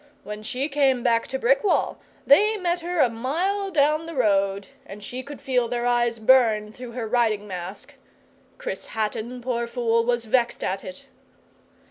When she came back to Brickwall, they met her a mile down the road, and she could feel their eyes burn through her riding mask. Chris Hatton, poor fool, was vexed at it.